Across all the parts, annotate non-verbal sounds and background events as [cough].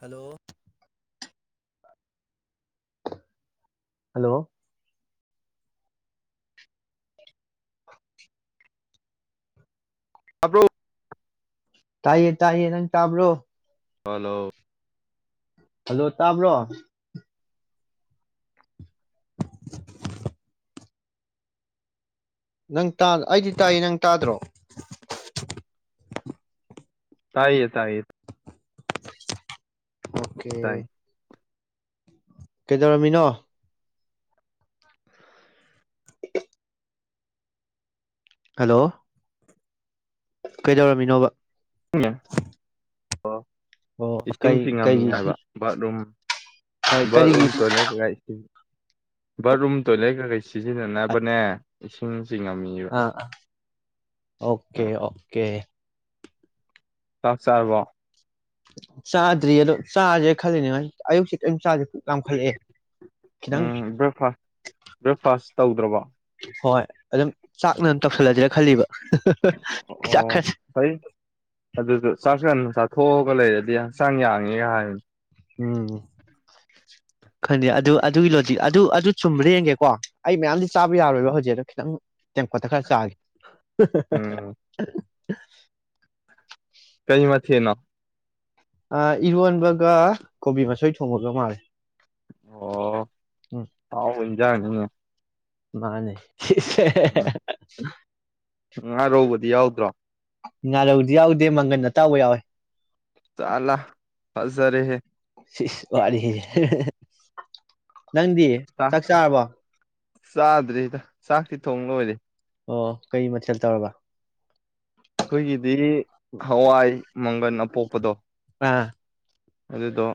hello hello ꯇꯥꯕ꯭ꯔꯣ ꯇꯥꯏꯌꯦ ꯇꯥꯏꯌꯦ ꯅꯪ ꯇꯥꯕ꯭ꯔꯣ ꯍꯂꯣ ꯍꯜꯂꯣ ꯇꯥꯕ꯭ꯔꯣ ꯅꯪ ꯇꯥ ꯑꯩꯗꯤ ꯇꯥꯏꯌꯦ ꯅꯪ ꯇꯥꯗ꯭ꯔꯣ ꯇꯥꯏꯌꯦ ꯇꯥꯏꯌꯦ ꯑꯣꯀꯦ ꯇꯥꯏ ꯀꯩꯗꯧꯔꯝꯃꯤꯅꯣ ꯍꯜꯂꯣ ꯀꯩꯗꯧꯔꯝꯃꯤꯅꯣꯕ ꯎꯝ ꯑꯣ ꯑꯣ ꯏꯁꯤꯡꯁꯤ ꯀꯩ ꯉꯝꯃꯤ ꯀꯩꯒꯤ ꯍꯥꯏꯕ ꯕꯥꯠꯔꯨꯝ ꯕꯥꯠꯔꯨꯝ ꯀꯔꯤꯒꯤ ꯇꯣꯏꯂꯦꯠ ꯀꯩꯀ ꯏꯁꯤꯡ ꯕꯥꯠꯔꯨꯝ ꯇꯣꯢꯂꯦꯠ ꯀꯩꯀꯩ ꯁꯤꯖꯤꯟꯅꯥꯅꯕꯅꯦ ꯢꯁꯤꯡ ꯑꯥ ꯑꯣꯀꯦ ꯑꯣꯀꯦ ꯆꯥꯛ ꯆꯥꯔꯕꯣ ꯆꯥꯗ꯭ꯔꯤ ꯑꯗꯣ ꯆꯥꯔꯥꯁꯤꯔꯥ ꯈꯜꯂꯤꯅꯦ ꯉꯥꯁꯤ ꯑꯌꯨꯛꯀꯤ ꯀꯦꯝ ꯆꯥꯗ꯭ꯔꯤ ꯌꯥꯝꯈꯠꯂꯛꯑꯦ ꯈꯤꯇꯪ ꯎꯝ ꯕ꯭ꯔꯦꯛꯐꯥꯁ ꯕ꯭ꯔꯦꯛꯐꯥꯁ ꯇꯧꯗ꯭ꯔꯕꯣ ꯍꯣꯏ ꯑꯗꯨꯝ ꯆꯥꯛꯅ ꯇꯧꯁꯜꯂꯁꯤꯔ ꯈꯜꯂꯤꯕ ꯍꯥꯍꯥꯍꯥ ꯑꯣ ꯐꯩ ꯑꯗꯨꯒ ꯆꯥꯛ ꯉꯟꯅꯥ ꯆꯥꯊꯣꯛ ꯍꯣꯒ ꯂꯩꯔꯗꯤ ꯍꯛꯆꯥꯡ ꯌꯥꯡꯉꯦꯒ ꯍꯥꯏꯕꯅꯦ ꯎꯝ ꯈꯪꯗꯦ ꯑꯗꯨ ꯑꯗꯨꯒꯤ ꯂꯣꯗꯤꯛ ꯑꯗꯨ ꯑꯗꯨ ꯆꯨꯝꯕ꯭ꯔꯥ ꯌꯦꯡꯒꯦꯀꯣ ꯑꯩ ꯃꯌꯥꯝꯗꯤ ꯆꯥꯕ ꯌꯥꯔꯣꯏꯕ ꯍꯧꯖꯤꯛ ꯑꯗꯣ ꯈꯤꯇꯪ ꯇꯦꯡꯀꯣꯠꯇ ꯈꯔ ꯆꯥꯒꯦ ꯎ ꯍꯥ ꯍꯥ ꯎꯝ ꯍꯥ ꯍꯥ [inaudible] ꯀꯩ ꯃꯊꯦꯜꯅꯣ ꯑ ꯏꯔꯣꯟꯕꯒ ꯀꯣꯕꯤ ꯃꯁꯣꯏ ꯊꯣꯡꯕꯒ ꯃꯥꯜꯂꯦ ꯑꯣ ꯎꯝ ꯍꯥꯎꯕ ꯍꯤꯡꯖꯥꯡꯅꯤꯅꯦ ꯃꯥꯅꯦ ꯉꯥꯔꯧꯒꯗꯤ ꯌꯥꯎ ꯗ꯭ꯔꯣ ꯉꯥꯔꯧꯗꯤ ꯌꯥꯎꯗꯦ ꯃꯪꯒꯟ ꯑꯇꯥꯎꯕ ꯌꯥꯎꯋꯦ ꯆꯂꯂꯥ ꯐꯖꯔꯦ ꯍꯦ ꯁꯤ꯭ꯁ ꯋꯥꯔꯦꯍꯦ ꯑ ꯍꯦꯍꯦ ꯅꯪꯗꯤ ꯆꯥꯛ ꯆꯥꯔꯕꯣ ꯆꯥꯗ꯭ꯔꯤꯗ ꯆꯥꯛꯇꯤ ꯊꯣꯡ ꯂꯣꯏꯔꯦ ꯑꯣ ꯀꯩ ꯃꯊꯦꯜ ꯇꯧꯔꯕ ꯑꯩꯈꯣꯏꯒꯤꯗꯤ ꯍꯋꯥꯏ ꯃꯪꯒꯟ ꯑꯄꯣꯛꯄꯗꯣ ꯑꯥ ꯑꯗꯨꯗꯣ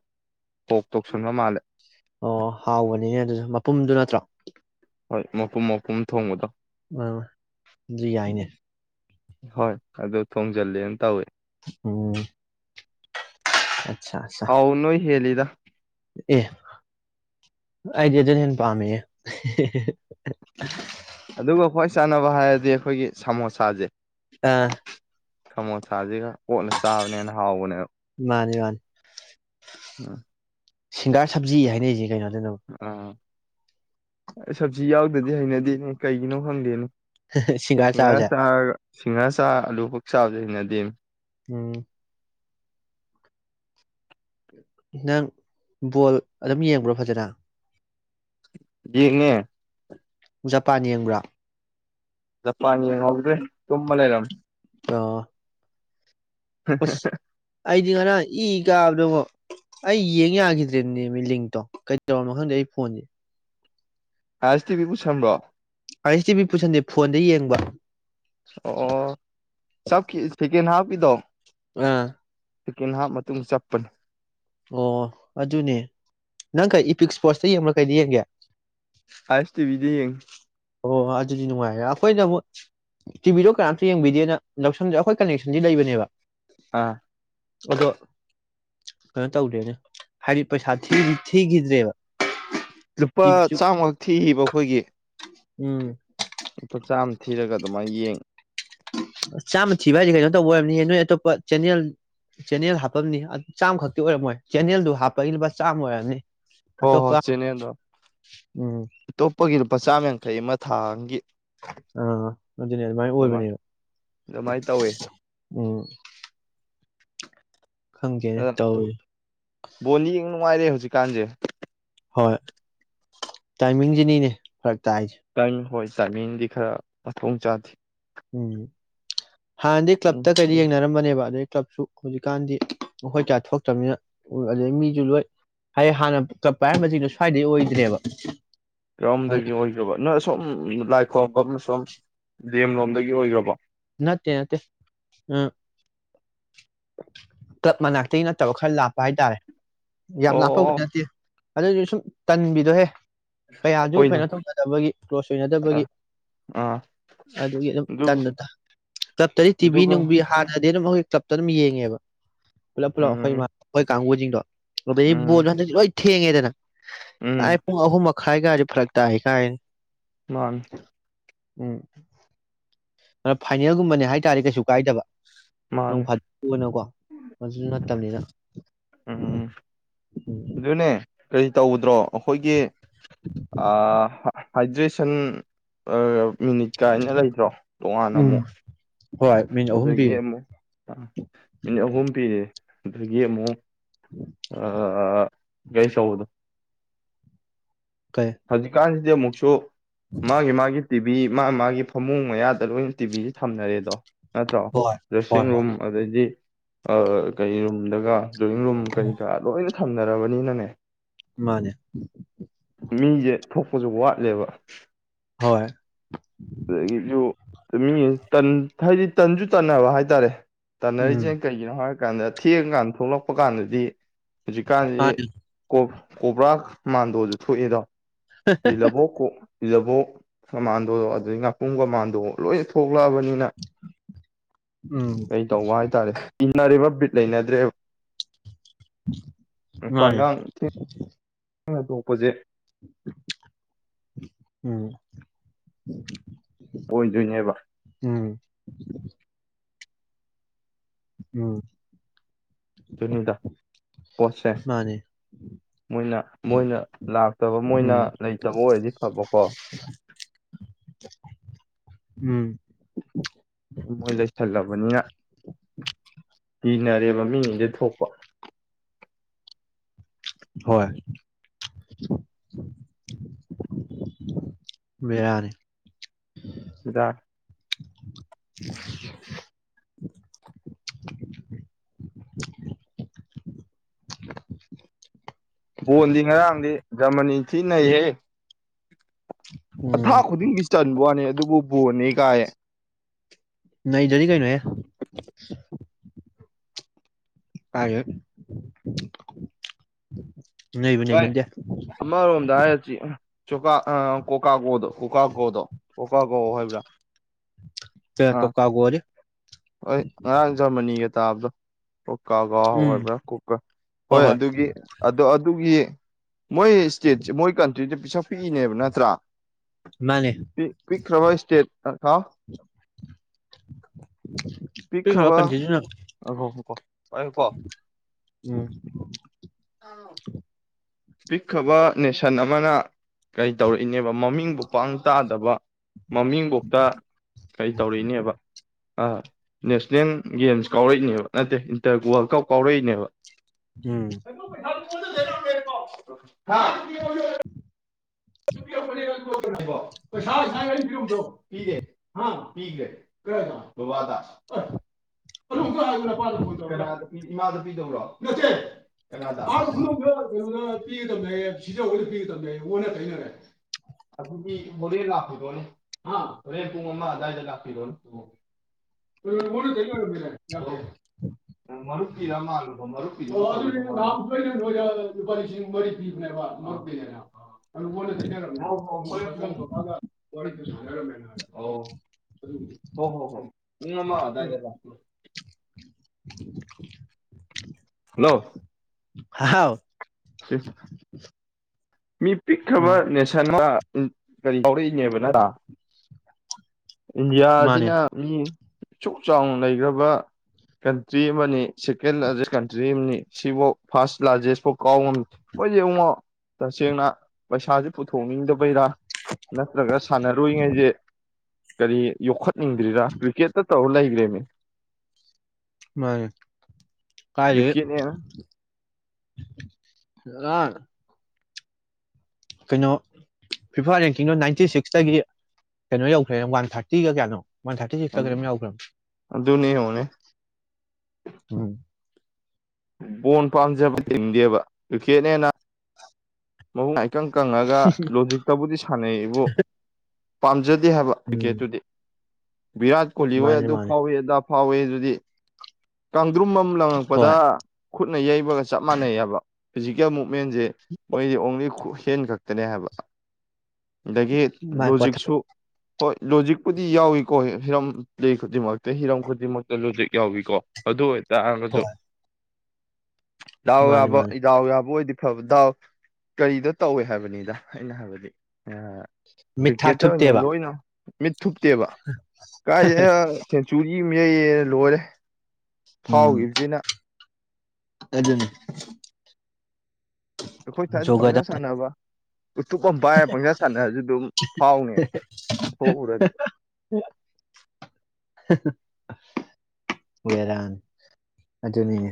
ꯁꯣꯛ ꯇꯧꯁꯟꯕ ꯃꯥꯜꯂꯦ ꯑꯣ ꯍꯥꯎꯕꯅꯤꯅꯦ ꯑꯗꯨꯁꯨ ꯃꯄꯨꯝꯗꯨ ꯅꯠꯇ꯭ꯔꯣ ꯍꯣꯏ ꯃꯄꯨꯝ ꯃꯄꯨꯝ ꯊꯣꯡꯕꯗꯣ ꯑꯥ ꯑꯗꯨꯁꯨ ꯌꯥꯏꯅꯦ ꯍꯣꯏ ꯑꯗꯨ ꯊꯣꯡꯖꯥꯜꯂꯦꯅ ꯇꯧꯋꯦ ꯎꯝ ꯑꯠꯆꯥ ꯑꯠꯆꯥ ꯑꯥꯎ ꯅꯣꯢ ꯍꯦꯜꯂꯤꯠ ꯗ ꯑꯦ ꯑꯩꯗꯤ ꯑꯗꯨꯅ ꯍꯦꯟꯅ ꯄꯥꯝꯃꯦꯍꯦ ꯍꯦꯍꯦꯍꯦ ꯑꯗꯨꯒ ꯈ꯭ꯋꯥꯏ ꯆꯥꯟꯅꯕ ꯍꯥꯏꯔꯗꯤ ꯑꯩꯈꯣꯏꯒꯤ ꯁꯃꯣꯁꯥꯁꯦ ꯑꯥ ꯁꯃꯣꯁꯥꯖꯤꯒ ꯀꯣꯠꯂ ꯆꯥꯕꯅ ꯍꯦꯟ ꯍꯥꯎꯕꯅꯦ ꯃꯥꯅꯤ ꯃꯥꯅꯤ ꯁꯤꯡꯒꯥꯔ ꯁꯞꯖꯤ ꯍꯥꯏꯅꯩꯖꯦ ꯀꯩꯅꯣ ꯑꯗꯨꯅꯕꯨ ꯑꯥ ꯁꯞꯖꯤ ꯌꯥꯎꯗꯗꯤ ꯍꯩꯅꯗꯦꯅꯦ ꯀꯩꯒꯤꯅꯣ ꯍꯪꯗꯦꯅꯣ ꯍꯦꯍꯦ ꯁꯤꯡꯒꯥꯔ ꯆꯥꯕꯖꯦ ꯁꯤꯡꯍꯥꯔ ꯆꯥ ꯑꯂꯨꯈꯛ ꯆꯥꯕꯁꯨ ꯍꯩꯅꯗꯦ ꯎꯝ ꯅꯪ ꯕꯣꯜ ꯑꯗꯨꯝ ꯌꯦꯡꯕ꯭ꯔꯣ ꯐꯖꯅ ꯌꯦꯡꯉꯦ ꯖꯄꯥꯟ ꯌꯦꯡꯕ꯭ꯔꯣ ꯖꯄꯥꯟ ꯌꯦꯡꯍꯧꯗ꯭ꯔꯦ ꯇꯨꯝꯃ ꯂꯩꯔꯝꯃꯦ ꯑꯣ ꯑꯨꯁ ꯑꯩꯗꯤ ꯉꯔꯥꯡ ꯢ ꯀꯕꯗꯣꯉꯣ ꯑꯩ ꯌꯦꯡ ꯌꯥꯈꯤꯗ꯭ꯔꯦꯅꯦꯃꯤ ꯂꯤꯡꯇꯣ ꯀꯔꯤ ꯇꯧꯔꯅꯣ ꯈꯪꯗꯦ ꯑꯩ ꯐꯣꯟꯁꯦ ꯑꯥꯢ ꯑꯦꯁ ꯇꯤ ꯚꯤ ꯄꯨꯁꯝꯕ꯭ꯔꯣ ꯑꯥꯏ ꯑꯦꯁ ꯇꯤ ꯚꯤ ꯄꯨꯁꯟꯗꯦ ꯐꯣꯟꯗ ꯌꯦꯡꯕ ꯑꯣ ꯆꯞꯀꯤ ꯁꯦꯀꯦꯟ ꯍꯥꯐ ꯀꯤꯗꯣ [unintelligible] ꯑꯥ ꯁꯦꯀꯦꯟ ꯍꯥꯞ ꯃꯇꯨꯡ ꯆꯞꯄꯅꯦ ꯑꯣ ꯑꯗꯨꯅꯦ ꯅꯪ ꯀꯩ ꯏꯄꯤꯛ ꯁ꯭ꯄꯣꯁ ꯁꯤ ꯌꯦꯡꯕ꯭ꯔ ꯀꯩꯗ ꯌꯦꯡꯒꯦ ꯑꯥ ꯑꯦꯁ ꯇꯤ ꯚꯤꯗ ꯌꯦꯡꯉꯦ ꯑꯣ ꯑꯗꯨꯗꯤ ꯅꯨꯡꯉꯥꯏꯔꯦ ꯑꯩꯈꯣꯏꯅ ꯑꯃꯨꯛ ꯇꯤ ꯚꯤꯗꯣ ꯀꯅꯥꯝꯇ ꯌꯦꯡꯕꯤꯗꯦꯅ ꯂꯧꯁꯟꯗꯦ ꯑꯩꯈꯣꯏ ꯀꯅꯦꯛꯁꯟꯗꯤ ꯂꯩꯕꯅꯦꯕ ꯑꯥ ꯑꯗꯣ ꯀꯩꯅꯣ ꯇꯧꯗ꯭ꯔꯦꯅꯦ ꯍꯥꯏꯗꯤ ꯄꯩꯁꯥ ꯊꯤ ꯊꯤꯈꯤꯗ꯭ꯔꯦꯕ ꯂꯨꯄꯥ ꯇꯤꯚꯤꯁꯨ ꯆꯥꯝꯃ ꯊꯤꯕ ꯑꯩꯈꯣꯏꯒꯤ ꯎꯝ ꯂꯨꯄꯥ ꯆꯥꯝꯃ ꯊꯤꯔꯒ ꯑꯗꯨꯃꯥꯏꯟ ꯌꯦꯡ ꯆꯥꯝꯃ ꯊꯤꯕ ꯍꯥꯏꯁꯦ ꯀꯩꯅꯣ ꯇꯧꯕ ꯑꯣꯏꯔꯝꯅꯤꯍꯦ ꯅꯣꯏ ꯑꯇꯣꯞꯄ ꯆꯦꯟꯅꯦꯜ ꯆꯦꯟꯅꯦꯜ ꯍꯥꯞꯄꯅꯤ ꯆꯥꯝꯃ ꯈꯛꯇꯤ ꯑꯣꯏꯔꯝꯃꯣꯏ ꯆꯦꯟꯅꯜꯗꯨ ꯍꯥꯞꯄꯒꯤ ꯂꯨꯄꯥ ꯆꯥꯝꯃ ꯑꯣꯏꯔꯝꯅꯤ ꯍꯣꯏ ꯍꯣꯏ ꯑꯇꯣꯞꯄ ꯆꯦꯅꯦꯜꯗꯣ ꯎꯝ ꯑꯇꯣꯞꯄꯒꯤ ꯂꯨꯄꯥ ꯆꯥꯃ ꯌꯥꯡꯈꯩ ꯑꯃ ꯊꯥ ꯑꯝꯒꯤ ꯑꯥ ꯑꯗꯨꯅꯦ ꯑꯗꯨꯃꯥꯏꯅ ꯑꯗꯨꯃꯥꯏ ꯑꯣꯏꯕꯅꯦꯕ ꯑꯗꯨꯃꯥꯏꯅ ꯇꯧꯋꯦ ꯎꯝ ꯈꯪꯗꯦꯅꯦ ꯑꯗ ꯇꯧꯔꯤꯁꯦ ꯕꯣꯟꯗꯤ ꯌꯦꯡ ꯅꯨꯡꯉꯥꯏꯔꯦ ꯍꯧꯖꯤꯛꯀꯥꯟꯁꯦ ꯍꯣꯏ ꯇꯥꯏꯃꯤꯡꯁꯤꯅꯤꯅꯦ ꯐꯔꯛ ꯇꯥꯏꯁꯦ ꯇꯥꯏ ꯍꯣꯏ ꯇꯥꯏꯃꯤꯡꯗꯤ ꯈꯔ ꯃꯗꯣꯡ ꯆꯥꯗꯦ ꯎꯝ ꯍꯥꯟꯅꯗꯤ ꯎꯝ ꯀ꯭ꯂꯞꯇ ꯀꯩꯗ ꯌꯦꯡꯅꯔꯝꯕꯅꯦ ꯑꯗꯩ ꯀ꯭ꯂꯕꯁꯨ ꯍꯧꯖꯤꯛꯀꯥꯟꯗꯤ ꯑꯩꯈꯣꯏ ꯀꯌꯥ ꯊꯣꯛꯇ꯭ꯔꯕꯅꯤꯅ ꯑꯗꯩ ꯃꯤꯁꯨ ꯂꯣꯏ ꯍꯥꯏꯌꯦꯡ ꯍꯥꯟꯅ ꯀ꯭ꯂꯕ ꯄꯥꯏꯔꯝꯕꯁꯤꯡꯗꯣ ꯁ꯭ꯋꯥꯏꯗꯩ ꯑꯣꯏꯗ꯭ꯔꯦꯕ ꯀꯔꯣꯝꯗꯒꯤ ꯑꯣꯏꯈꯔꯕ ꯅꯪ ꯑꯁꯣꯝ ꯂꯥꯏ ꯈꯣꯝꯕꯝ ꯑꯁꯣꯝ ꯂꯦꯝ ꯂꯣꯝꯗꯒꯤ ꯑꯣꯏꯈ꯭ꯔꯕꯣ ꯅꯠꯇꯦ ꯅꯠꯇꯦ ꯎꯝ ꯀ꯭ꯂꯞ ꯃꯅꯥꯛꯇꯒꯤ ꯅꯠꯇꯕ ꯈꯔ ꯂꯥꯞꯄ ꯍꯥꯏꯇꯥꯔꯦ ꯌꯥꯝ ꯂꯥꯞꯅꯄꯕꯨꯗꯤ ꯑꯣ ꯅꯠꯇꯦ ꯑꯗꯨꯏꯗꯤ ꯁꯨꯝ ꯇꯟꯕꯤꯗꯣꯍꯦ ꯀꯌꯥꯁꯨ ꯍꯣꯏꯅꯦ ꯀꯩꯅꯣ ꯇꯧꯅꯗꯕꯒꯤ ꯀ꯭ꯂꯣꯁ ꯑꯣꯏꯅꯗꯕꯒꯤ ꯑꯥ ꯑꯥ ꯑꯗꯨꯒꯤ ꯑꯗꯨꯝ ꯑꯗꯨ ꯇꯟꯕꯗꯣ ꯀ꯭ꯂꯞꯇꯗꯤ ꯇꯤꯕꯤ ꯑꯗꯨꯒ ꯅꯨꯡꯕꯤ ꯍꯥꯟꯅ ꯗꯤ ꯑꯗꯨꯝ ꯑꯩꯈꯣꯏ ꯇꯞꯇ ꯑꯗꯨꯝ ꯌꯦꯡꯉꯦꯕ ꯄꯨꯂꯞ ꯄꯨꯂꯣ ꯍꯣꯏ ꯎꯝ ꯃꯥ ꯍꯣꯏ ꯀꯥꯡꯕꯨꯖꯤꯡꯗꯣ ꯑꯗꯒꯤ ꯎꯝ ꯕꯣꯜꯁꯦ ꯍꯟꯗꯛꯇꯤ ꯂꯣꯢ ꯊꯦꯡꯉꯌꯦꯗꯅ ꯎꯝ ꯀꯏ ꯄꯨꯨꯡ ꯑꯍꯨꯃ ꯃꯛ ꯈꯥꯏꯒ ꯀꯥꯏꯁꯨ ꯐꯔꯛ ꯇꯥꯏ ꯀꯥꯏ ꯃꯥꯅꯤ ꯎꯝ ꯐꯥꯏꯅꯦꯜꯒꯨꯝꯕꯅꯦ ꯍꯥꯏꯇꯥꯔꯗꯤ ꯀꯩꯁꯨ ꯀꯥꯏꯗꯕ ꯅꯣꯡ ꯃꯥꯅꯦ ꯐꯥꯗꯣꯛꯀꯤ ꯑꯣꯢꯅꯀꯣ ꯑꯗꯨꯁꯨ ꯅꯠꯇꯕꯅꯤꯅ ꯎꯝ ꯑꯗꯨꯅꯦ ꯀꯔꯤ ꯇꯧꯒꯗ꯭ꯔꯣ ꯑꯩꯈꯣꯏꯒꯤ ꯑꯥ ꯍꯥꯏꯗ꯭ꯔꯦꯁꯟ ꯃꯤꯅꯤꯠ ꯀꯥꯏꯅ ꯂꯩꯗ꯭ꯔꯣ ꯇꯣꯉꯥꯟꯅ ꯎꯝ ꯑꯃꯨꯛ ꯍꯣꯏ ꯃꯤꯅꯤꯠ ꯑꯍꯨꯝ ꯄꯤ ꯑꯗꯒꯤ ꯑꯃꯨꯛ ꯃꯤꯅꯤꯠ ꯑꯍꯨꯝ ꯄꯤꯔꯦ ꯑꯗꯒꯤ ꯑꯃꯨꯛ ꯑꯑꯑꯑ ꯒꯥꯔꯤ ꯑꯆꯧꯕꯗꯣ ꯀꯩ ꯍꯧꯖꯤꯛ ꯀꯥꯟꯁꯤꯗꯤ ꯑꯃꯨꯛꯁꯨ ꯑꯣ ꯃꯥꯒꯤ ꯃꯥꯒꯤ ꯇꯤꯝ ꯃꯤ ꯃꯥ ꯃꯥꯒꯤ ꯐꯃꯨꯡ ꯃꯌꯥꯗ ꯂꯣꯏꯅ ꯇꯤꯚꯤꯖꯦ ꯊꯝꯅꯔꯦꯗꯣ ꯅꯠꯇ꯭ꯔꯣ ꯍꯣꯏ ꯍꯣꯏ ꯗ꯭ꯔꯦꯁꯤꯡ ꯍꯣꯏ ꯔꯨꯝ ꯑꯗꯩꯗꯤ ꯑ ꯀꯩ ꯔꯨꯝꯗꯒ ꯗ꯭ꯔꯣꯌꯤꯡ ꯔꯨꯝ ꯀꯔꯤ ꯀꯔꯥ ꯂꯣꯏꯅ ꯊꯝꯅꯔꯕꯅꯤꯅꯅꯦ ꯃꯥꯅꯦ ꯃꯤꯁꯦ ꯊꯣꯛꯄꯁꯨ ꯋꯥꯠꯂꯦꯕ [inaudible] ꯑꯗꯒꯤꯖꯨ ꯃꯤ ꯇꯟ ꯍꯥꯏꯗꯤ ꯇꯟꯁꯨ ꯇꯟꯅꯕ ꯍꯥꯏꯇꯥꯔꯦ ꯎꯝ ꯇꯥꯟꯅꯔꯤꯁꯦ ꯀꯩꯒꯤꯅꯣ ꯍꯥꯏ ꯀꯥꯟꯗ ꯊꯦꯡꯉꯥ ꯀꯥꯟꯗ ꯊꯣꯛꯂꯛꯄ ꯀꯥꯟꯗꯗꯤ ꯍꯧꯖꯤꯀꯥꯟ ꯁꯤꯗꯤ ꯃꯥꯅꯦ ꯀꯣ ꯀꯣꯕ꯭ꯔꯥ ꯃꯥꯟꯗꯣꯁꯨ ꯊꯣꯛꯏꯗꯣ ꯢꯂꯥꯚꯣ ꯀꯣ ꯁꯤꯗꯕꯨ ꯁꯃꯥꯟꯗꯣ ꯑ ꯑꯗꯩ ꯉꯥꯄꯨꯡ ꯀꯥꯃꯥꯟꯗꯣ ꯂꯣꯏ ꯊꯣꯛꯂꯛꯑꯕꯅꯤꯅ ꯎꯝ ꯀꯩ ꯇꯧꯕ ꯍꯥꯏꯇꯥꯔꯦ ꯅꯔꯤꯕ ꯕꯤꯠ ꯂꯩꯅꯗ꯭ꯔꯦꯕ ꯃꯥꯟꯅꯦ ꯅꯪꯅ ꯅꯣꯛꯄꯁꯦ ꯎꯝ ꯑꯣꯏꯗꯣꯏꯅꯦꯕ ꯎꯝ ꯎꯝ ꯑꯗꯨꯅꯤꯗ ꯄꯣꯠꯁꯦ ꯃꯥꯅꯦ ꯃꯣꯏꯅ ꯃꯣꯏꯅ ꯂꯥꯛꯇꯕ ꯃꯣꯏꯅ ꯎꯝ ꯂꯩꯇꯕ ꯑꯣꯏꯔꯗꯤ ꯐꯕꯀꯣ ꯎꯝ ꯃꯣꯏ ꯂꯩꯁꯜꯂꯕꯅꯤꯅ ꯀꯤꯅꯔꯦꯕ ꯃꯤꯁꯤꯡꯁꯦ ꯊꯣꯛꯄ ꯍꯣꯏ ꯕꯦꯔꯥꯅꯤ ꯗꯥꯗꯥ [unintelligible] ꯕꯣꯜꯗꯤ ꯉꯔꯥꯡꯗꯤ ꯖꯔꯃꯅꯤ ꯊꯤ ꯅꯩꯍꯦ ꯎꯝ ꯑꯊꯥ ꯈꯨꯗꯤꯡꯒꯤ ꯆꯟꯕ ꯋꯥꯅꯦ ꯑꯗꯨꯕꯨ ꯕꯣꯜꯅꯦ ꯀꯥꯢꯌꯦ ꯅꯩꯗ꯭ꯔꯥꯗꯤ ꯀꯩꯅꯣꯍꯦ [unintelligible] ꯀꯥꯌꯩ ꯅꯩꯕꯨ ꯚꯥꯏ ꯅꯩꯃꯟꯗꯦ ꯆꯣꯀ ꯑ ꯀꯣꯀꯥꯒꯣꯗꯣ ꯎꯀꯥꯒꯣꯗꯣ ꯑꯣꯀꯥ ꯑꯣ ꯍꯥꯏꯕ꯭ꯔꯥ ꯆ ꯑꯥ ꯀꯣꯀꯥꯒꯣꯗꯤ ꯍꯣꯏ ꯉꯔꯥꯡ ꯖꯔꯃꯅꯤꯒ ꯇꯥꯕꯗꯣ ꯀꯀꯥꯒꯥꯎ ꯎꯝ ꯍꯥꯏꯕ꯭ꯔꯥ ꯀꯣꯀꯥ ꯍꯣꯏ ꯑꯗꯨꯒꯤ ꯑꯗ ꯑꯗꯨꯒꯤ ꯃꯣꯏ ꯁ꯭ꯇꯦꯠꯁꯦ ꯃꯣꯏ ꯀꯟ ꯗꯨꯏꯗꯤ ꯄꯤꯁꯛ ꯄꯤꯛꯏꯅꯦꯕ ꯅꯠꯇ꯭ꯔꯥ ꯃꯥꯅꯦ ꯄꯤ ꯄꯤꯛꯈ꯭ꯔꯕ ꯁ꯭ꯇꯦꯠ ꯀ ꯍꯥꯎ ꯄꯤꯛꯈ꯭ꯔꯕ ꯀꯟꯇ꯭ꯔꯤꯗꯨꯅ ꯎꯝ ꯉꯥꯏꯈꯣ ꯉꯥꯏꯈꯣ ꯄꯥꯏꯌꯨꯀꯣ ꯑꯥꯎ ꯄꯤꯛꯈ꯭ꯔꯕ ꯅꯦꯁꯟ ꯑꯃꯅ ꯀꯔꯤ ꯇꯧꯔꯛꯏꯅꯦꯕ ꯃꯃꯤꯡꯕꯨ ꯄꯥꯡ ꯇꯥꯗꯕ ꯃꯃꯤꯡ ꯐꯧꯇ ꯀꯩ ꯇꯧꯔꯏꯅꯦꯕ ꯑꯥ ꯅꯦꯁꯅꯦꯜ ꯒꯦꯝꯁ ꯀꯥꯎꯔꯛꯏꯅꯦꯕ ꯅꯠꯇꯦ ꯏꯟꯇꯔ ꯋꯥꯔꯜ ꯀꯞ ꯀꯥꯎꯔꯛꯏꯅꯦꯕ ꯎꯝ [unintelligible] ꯍꯥꯥ [unintelligible] ꯄꯩꯁꯥ ꯉꯁꯥꯢ ꯑꯩ ꯄꯤꯔꯝꯕꯗꯣ ꯄꯤꯗꯦ ꯑꯥ ꯄꯤꯈ꯭ꯔꯦ ꯀꯔꯥꯢꯗ ꯕꯕꯥꯗ ꯑꯩ [unintelligible] ꯍꯥꯢꯔꯤꯕꯁꯤ ꯂꯧꯁꯟꯕ ꯉꯝꯗ꯭ꯔꯦ ꯏꯃꯥꯗ ꯄꯤꯗꯧꯔꯣ ꯅꯠꯇꯦ ꯀꯅꯥꯗꯥ ꯑꯥ ꯈꯨꯗꯣꯡꯕꯤꯑꯣ ꯑ ꯄꯤꯒꯗꯕꯅꯦꯌꯦ ꯁꯤꯖ ꯍꯣꯏꯗ ꯄꯤꯒꯗꯕꯅꯦꯌꯦ ꯑꯣꯟꯅ ꯇꯩꯅꯔꯦ ꯑꯗꯨꯗꯤ ꯍꯣꯔꯦ ꯂꯥꯛꯄꯤꯔꯣꯅꯦ ꯍꯣꯔꯦꯟ ꯄꯨꯡ ꯑꯃ ꯑꯗꯥꯏꯗ ꯂꯥꯛꯄꯤꯔꯣꯅꯦ ꯎꯝ ꯃꯔꯨꯞꯀꯤꯔ ꯃꯥꯜꯂꯨꯕ ꯃꯔꯨꯞ ꯑꯣ ꯑꯗꯨꯅꯦ ꯅꯍꯥꯃꯨꯛꯁꯨ ꯑꯩꯅ ꯅꯣꯢꯗ ꯂꯨꯄꯥ ꯂꯤꯁꯤꯡ ꯃꯔꯤ ꯄꯤꯕꯅꯦꯕ ꯃꯔꯨꯞꯀꯤꯅꯦꯅ ꯋꯥꯔꯤꯗꯨ ꯁꯥꯟꯅꯔꯝꯃꯦꯅ ꯍꯥꯏꯌꯣ ꯑꯣ ꯍꯣ ꯍꯣ ꯍꯣ ꯄꯨꯡ ꯑꯃ ꯑꯗꯥꯢꯗ ꯂꯥꯛꯄꯤꯌꯣ [unintelligible] ꯍꯜꯂꯣ ꯍꯍꯥꯎ [inaudible] ꯃꯤ ꯄꯤꯛꯈ꯭ꯔꯕ ꯅꯦꯁꯟꯅ ꯎꯝ ꯀꯔꯤ ꯀꯥꯎꯔꯛꯏꯅꯦꯕ ꯅꯇ ꯃꯥꯅꯦ ꯏꯟꯗꯤꯌꯥꯖꯤꯅ ꯃꯤ ꯑꯁꯨꯛ ꯆꯥꯎꯅ ꯂꯩꯈ꯭ꯔꯕ ꯀꯟꯇ꯭ꯔꯤ ꯑꯃꯅꯤ ꯁꯦꯀꯦꯟ ꯂꯥꯔꯖꯦꯁ ꯀꯟꯇ꯭ꯔꯤ ꯑꯃꯅꯤ ꯁꯤꯐꯥꯎ ꯐꯥꯔꯁ ꯂꯥꯔꯖꯦꯁ ꯐꯥꯎ ꯀꯥꯎ ꯉꯝꯃꯤ ꯃꯣꯏ ꯌꯦꯡꯉꯣ ꯇꯁꯦꯡꯅ ꯄꯩꯁꯥꯁꯦ ꯄꯨꯊꯣꯛꯅꯤꯡꯗꯕꯩꯔ ꯅꯠꯇ꯭ꯔꯒ ꯁꯥꯟꯅꯔꯨꯏꯉꯩꯁꯦ ꯀꯔꯤ ꯌꯣꯛꯈꯠ ꯏꯗꯤꯔꯥ ꯔꯤꯈꯦꯠꯇ ꯇꯧꯂꯩꯥꯏꯒ꯭ꯔꯦꯃꯤ ꯃꯅꯦ ꯀꯥꯏꯗꯩꯩ ꯀ꯭ꯔꯤꯛꯀꯦꯠꯅꯦꯅ ꯑꯥ ꯀꯩꯅꯣ ꯐꯤꯐꯥ ꯔꯦꯡꯀꯤꯡꯗꯣ ꯅꯥꯏꯟꯇꯤ ꯁꯤꯛꯁꯇꯒꯤ ꯀꯩꯅꯣ ꯌꯧꯈ꯭ꯔꯦ ꯋꯥꯟ ꯊꯥꯔꯇꯤꯒ ꯀꯌꯥꯅꯣ ꯋꯥꯟꯊꯔꯇꯤ ꯁꯤꯛꯁꯂꯥ ꯀꯩꯅꯣꯝ ꯌꯧꯒꯔ꯭ꯃꯤ ꯑꯗꯨꯅꯤ ꯌꯦꯡ ꯉꯣꯅꯦ ꯎꯝ ꯕꯣꯟ ꯄꯥꯝꯖꯕ ꯇꯤꯡꯗꯦꯕ ꯀ꯭ꯔꯤꯀꯦꯠꯅꯦꯅ ꯃꯪ [unintelligible] ꯏꯀꯪ ꯀꯪꯉꯒ ꯂꯣꯖꯤꯛꯇꯕꯨꯗꯤ ꯁꯥꯟꯅꯩ ꯏꯕꯨ ꯄꯥꯝꯖꯠ ꯗꯤ ꯍꯕ ꯇꯀꯦ ꯎꯝ ꯇꯨꯗꯤ ꯚꯔꯥꯠ ꯀꯣꯍꯂꯤ ꯍꯣꯏ ꯃꯥꯅꯦ ꯑꯗꯨ ꯃꯥꯅꯦ ꯐꯥꯎꯏꯤ ꯑꯗ ꯐꯥꯎꯋꯦ ꯑꯗꯨꯗꯤ ꯀꯪ ꯗ꯭ꯨꯔꯝꯕ ꯍꯣꯏ ꯂꯪꯉꯛꯄꯗ ꯈꯨꯠꯅ ꯌꯩꯕꯒ ꯆꯞ ꯃꯥꯟꯅꯩꯑꯕ ꯍꯧꯖꯤꯛꯀꯤ ꯑꯃꯨꯛ ꯃꯦꯟꯁꯦ ꯃꯣꯏꯗꯤ ꯑꯣꯡꯂꯤ ꯁꯦꯟ ꯈꯛꯇꯅꯦ ꯍꯥꯏꯕ ꯑꯗꯒꯤ ꯃꯥꯏ ꯄꯣꯊ ꯂꯣꯖꯤꯛꯁꯨ ꯍꯣꯏ ꯂꯣꯖꯤꯛꯄꯨꯗꯤ ꯌꯥꯎꯏꯀꯣ ꯍꯤꯔꯝ ꯄꯂꯦ ꯈꯨꯗꯤꯡꯃꯛꯇ ꯍꯤꯔꯝ ꯈꯨꯗꯤꯡꯃꯛꯇ ꯂꯣꯖꯤꯛ ꯌꯥꯎꯏꯀꯣ ꯑꯗꯨ ꯑꯣꯏ ꯇꯒꯖꯨ ꯍꯣꯏ ꯗꯥꯎ ꯃꯥꯅꯤ ꯌꯥꯕ ꯃꯥꯅꯤ ꯗꯥꯎ ꯌꯥꯕ ꯑꯣꯏ ꯐꯕ ꯗꯥꯎ ꯀꯔꯤꯗ ꯇꯧꯋꯦ ꯍꯥꯏꯕꯅꯤꯗ ꯑꯩꯅ ꯍꯥꯏꯕꯗꯤ ꯃꯤꯠ ꯊꯥ ꯀ꯭ꯔꯤꯛꯀꯦꯠꯇ ꯑꯣꯏꯅ ꯊꯨꯞꯇꯦꯕ ꯂꯣꯏꯅ ꯃꯤꯠ ꯊꯨꯞꯇꯦꯕ ꯀꯥꯏꯗꯩꯩꯅ ꯁꯦꯟꯆꯨꯔꯤ ꯂꯣꯏꯔꯦ ꯎꯝ ꯐꯥꯎꯒꯤꯕꯖꯤꯅ ꯑꯗꯨꯅꯤ ꯑꯩꯈꯣꯏ ꯇꯥꯏꯅ ꯖꯣꯒꯗ ꯄꯪꯁꯥ ꯁꯥꯟꯅꯕ ꯎꯇꯨꯞ ꯑꯃ ꯄꯥꯏꯔꯥ ꯄꯪꯁꯥ ꯁꯥꯟꯅꯔꯁꯨ ꯑꯗꯨꯝ ꯐꯥꯎꯅꯦꯕ ꯊꯣꯛꯎꯔꯗꯤ ꯕꯦꯔꯅꯤ ꯑꯗꯨꯅꯤꯅꯦ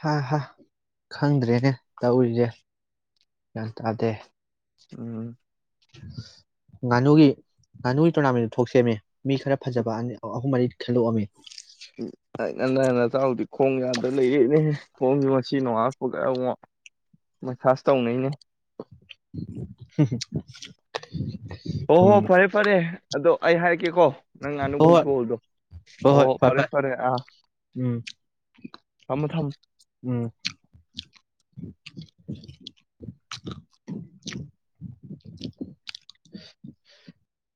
ꯍꯥ ꯍꯥꯥ ꯈꯪꯗ꯭ꯔꯦꯅꯦ ꯇꯧꯔꯤꯁꯦ ꯒ꯭ꯌꯥꯟ ꯇꯥꯗꯦ ꯎꯝ ꯉꯥꯅꯨꯒꯤ ꯉꯥꯅꯨꯒꯤ ꯇꯣꯔꯅꯥꯃꯦꯟꯗꯨ ꯊꯣꯛ ꯁꯦꯝꯃꯤ ꯃꯤ ꯈꯔ ꯐꯖꯕ ꯑ ꯑꯍꯨꯝ ꯃꯔꯤ ꯈꯦꯂꯣꯃꯤ ꯉꯟꯅ ꯅꯇꯥꯎꯗꯤ ꯈꯣꯡ ꯌꯥꯗ ꯂꯩꯔꯛꯏꯅꯦ ꯈꯣꯡꯁꯦ ꯉꯁꯤ ꯅꯣꯡꯉꯜꯛꯄꯒ ꯑꯃꯨꯛ ꯃꯁꯥꯁ ꯇꯧꯅꯩꯅꯦ [unintelligible] ꯑꯣ ꯍꯣ ꯎꯝ ꯐꯔꯦ ꯐꯔꯦ ꯑꯗꯣ ꯑꯩ ꯍꯥꯏꯔꯒꯦꯀꯣ ꯍꯣꯏ ꯍꯣꯏ ꯐ ꯐꯔꯦ ꯐꯥꯏ ꯐꯔꯦ ꯑꯥ ꯎꯝ ꯊꯝꯃꯣ ꯊꯝꯃꯣ ꯎꯝ [unintelligible]